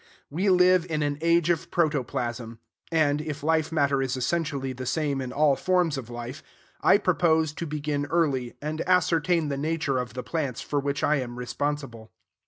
We live in an age of protoplasm. And, if life matter is essentially the same in all forms of life, I purpose to begin early, and ascertain the nature of the plants for which I am responsible.